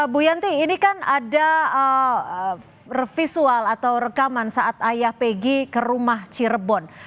bu yanti ini kan ada visual atau rekaman saat ayah peggy ke rumah cirebon